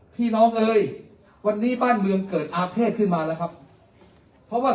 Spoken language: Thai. น้องเอ๋ยวันนี้บ้านเมืองเกิดอาเภษขึ้นมาแล้วครับเพราะว่า